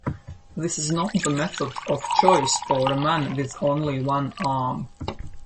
This is not the method of choice for a man with only one arm.